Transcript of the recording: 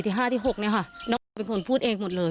ที่ห้าที่หกเนี้ยค่ะมันเป็นคนพูดเองหมดเลย